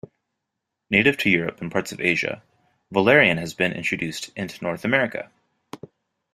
Native to Europe and parts of Asia, valerian has been introduced into North America.